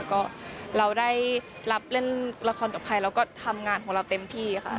ก็เราได้รับเล่นละครกับใครเราก็ทำงานของเราเต็มที่ค่ะ